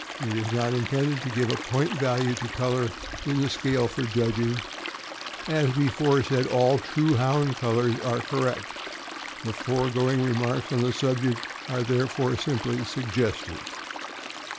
It is not intended to give a point value to color in the scale for judging, as before said, all true Hound colors being correct. The foregoing remarks on the subject are therefore simply suggestive.